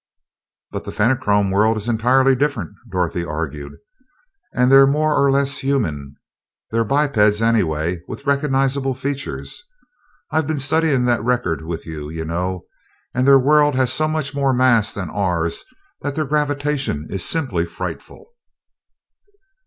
"But the Fenachrone world is entirely different," Dorothy argued, "and they're more or less human they're bipeds, anyway, with recognizable features. I've been studying that record with you, you know, and their world has so much more mass than ours that their gravitation is simply frightful!"